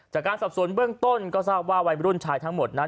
จากการสอบสวนเบื้องต้นก็ทราบว่าวัยรุ่นชายทั้งหมดนั้น